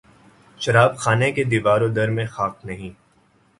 شراب خانہ کے دیوار و در میں خاک نہیں